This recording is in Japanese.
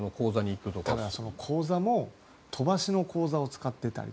その口座も飛ばしの口座を使ってたり